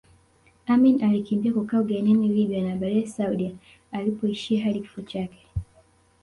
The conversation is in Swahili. Amin alikimbia kukaa ugenini Libya na baadae Saudia alipoishi hadi kifo chake